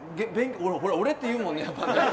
俺って言うもんね。